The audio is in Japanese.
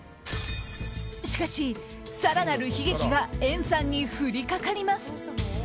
しかし、更なる悲劇がエンさんに降りかかります。